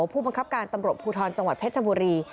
ผู้บังคับการตำรวจภูทรจังหวัดเพชรบุรี